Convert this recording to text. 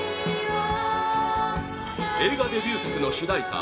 映画デビュー作の主題歌